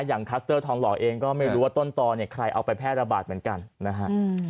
คลัสเตอร์ทองหล่อเองก็ไม่รู้ว่าต้นตอเนี่ยใครเอาไปแพร่ระบาดเหมือนกันนะฮะ